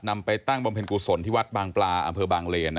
ไปตั้งบำเพ็ญกุศลที่วัดบางปลาอำเภอบางเลน